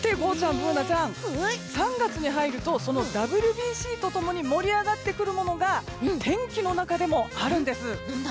ブーナちゃん３月に入ると、ＷＢＣと共に盛り上がってくるものが天気の中でもあるんです。